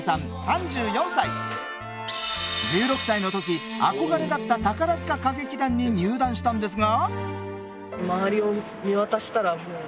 １６歳の時憧れだった宝塚歌劇団に入団したんですが。